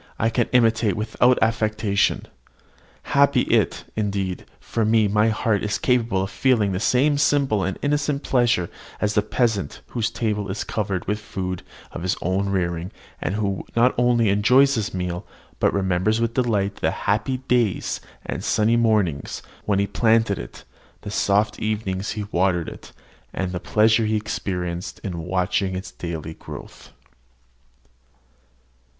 I can imitate without affectation. Happy is it, indeed, for me that my heart is capable of feeling the same simple and innocent pleasure as the peasant whose table is covered with food of his own rearing, and who not only enjoys his meal, but remembers with delight the happy days and sunny mornings when he planted it, the soft evenings when he watered it, and the pleasure he experienced in watching its daily growth.